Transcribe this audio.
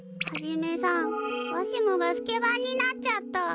ハジメさんわしもがスケバンになっちゃった。